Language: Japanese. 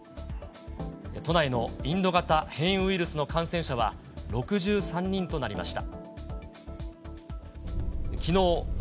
都内のインド型変異ウイルスの感染者は、６３人となりました。